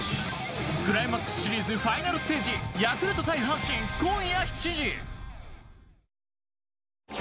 クライマックスシリーズファイナルステージヤクルト対阪神、今夜７時。